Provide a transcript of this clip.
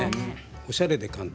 おしゃれで簡単。